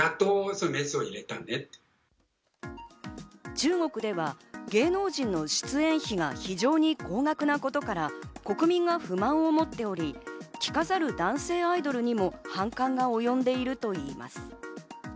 中国では芸能人の出演費が非常に高額なことから、国民が不満を持っており、着飾る男性アイドルにも反感がおよんでいるといいます。